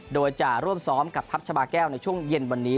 โดยจะร่วมซ้อมกับทัพชาบาแก้วในช่วงเย็นวันนี้